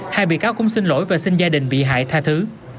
hai bị cáo cũng xin lỗi và xin gia đình bị hại tha thứ